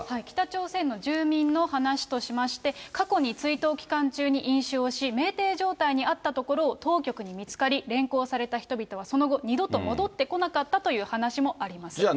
北朝鮮の住民の話としまして、過去に追悼期間中に飲酒をし、めいてい状態にあったところを当局に見つかり、連行された人々は、その後、二度と戻ってこなかったという話もあります。